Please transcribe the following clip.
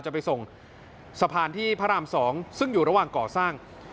จะไปส่งสะพานที่พระราม๒ซึ่งอยู่ระหว่างก่อสร้าง